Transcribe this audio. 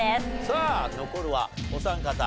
さあ残るはお三方。